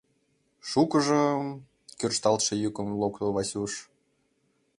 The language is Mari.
Шукыжым! — кӱрышталтше йӱкым лукто Васюш.